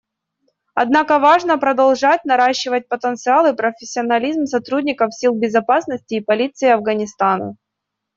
Однако важно продолжать наращивать потенциал и профессионализм сотрудников сил безопасности и полиции Афганистана.